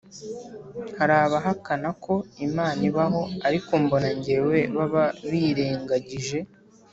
Harabahakana ko imana ibaho ariko mbona njyewe baba birengagije